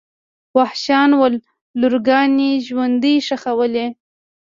وحشیان ول لورګانې ژوندۍ ښخولې.